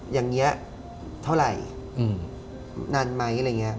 อย่างนี้เท่าไหร่นานไหมอะไรอย่างนี้